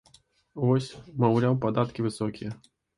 Вось, маўляў, падаткі высокія.